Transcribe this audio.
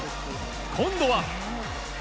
今度は。